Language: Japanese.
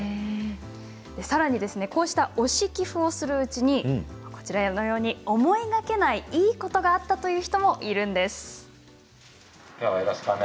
さらにこうした推し寄付をするうちに思いがけないいいことがあったという人もいるんです。